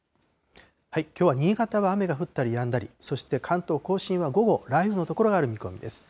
きょうは新潟は雨が降ったりやんだり、そして関東甲信は、午後、雷雨の所がある見込みです。